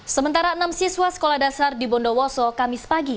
sementara enam siswa sekolah dasar di bondowoso kamis pagi